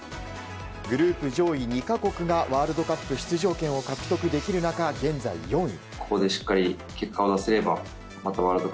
グループ上位２か国がワールドカップ出場権を獲得できる中現在４位。